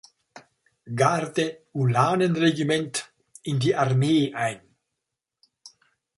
Garde Ulanenregiment in die Armee ein.